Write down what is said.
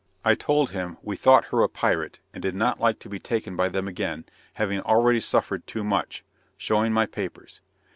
I told him "we thought her a pirate, and did not like to be taken by them again, having already suffered too much;" showing my papers.